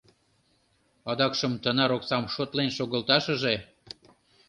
Адакшым тынар оксам шотлен шогылташыже...